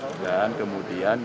mestgia dan beri dari saluran wahar